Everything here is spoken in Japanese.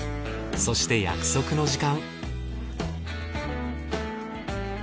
そして約束の時間。